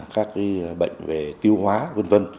các bệnh về tiêu hóa v v